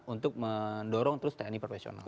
untuk mendorong terus tni profesional